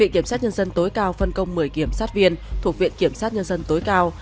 viện kiểm sát nhân dân tối cao phân công một mươi kiểm sát viên thuộc viện kiểm sát nhân dân tối cao